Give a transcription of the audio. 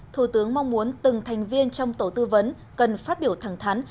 thủ tướng mong muốn từng thành viên trong tổ tư vấn cần phát biểu thẳng thắn